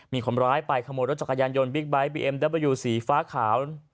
มีคนร้ายไปขโมยรถจักรยานยนต์บิ๊กไบท์บีเอ็มเดอร์เบอร์ยูสีฟ้าขาว